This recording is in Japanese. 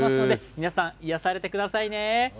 皆さん、癒やされてくださいね。